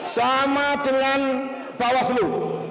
sama dengan bawaslu